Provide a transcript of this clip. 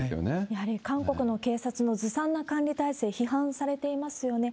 やはり韓国の警察のずさんな管理体制、批判されていますよね。